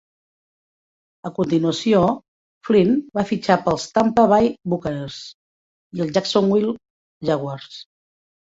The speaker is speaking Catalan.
A continuació, Flynn va fitxar pels Tampa Bay Buccaneers i els Jacksonville Jaguars.